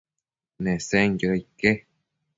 Nesenquioda ique?